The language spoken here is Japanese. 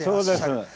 そうです。